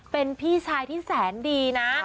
เป็นพี่ชายที่แสนดีนะ